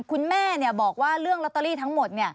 คุณแม่บอกว่าเรื่องลอตเตอรี่ทั้งหมด